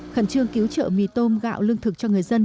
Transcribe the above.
khẩn trương cứu trợ mì tôm gạo lương thực cho người dân